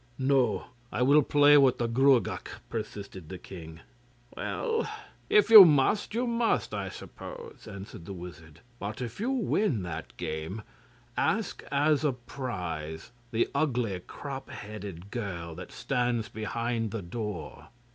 'No; I will play with the Gruagach,' persisted the king. 'Well, if you must, you must, I suppose,' answered the wizard; 'but if you win that game, ask as a prize the ugly crop headed girl that stands behind the door.